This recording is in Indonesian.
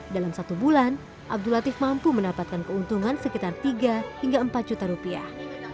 dalam satu bulan abdul latif mampu mendapatkan keuntungan sekitar tiga hingga empat juta rupiah